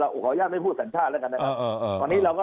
เขาขออาเล่าไปให้โปรดปราตรศาสตร์แล้วกันนะครับตอนนี้เราก็